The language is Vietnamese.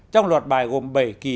trong loạt bài gồm bảy kỳ